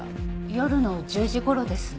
夜の１０時頃です。